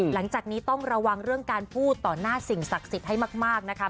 หลังจากนี้ต้องระวังเรื่องการพูดต่อหน้าสิ่งศักดิ์สิทธิ์ให้มากนะคะ